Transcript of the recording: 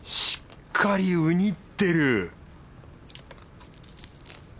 しっかりうにってる！